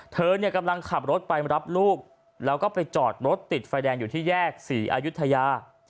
เธอเนี่ยกำลังขับรถไปรับลูกแล้วก็ไปจอดรถติดไฟแดงอยู่ที่แยกศรีอายุทยา